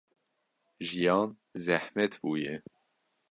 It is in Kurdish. Jiyan zehmet bûye.